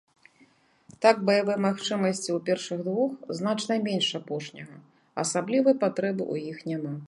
Так баявыя магчымасці ў першых двух значна менш апошняга, асаблівай патрэбы ў іх няма.